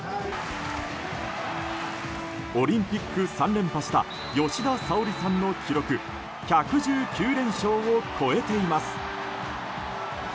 オリンピック３連覇した吉田沙保里さんの記録１１９連勝を超えています。